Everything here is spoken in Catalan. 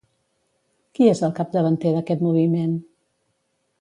Qui és el capdavanter d'aquest moviment?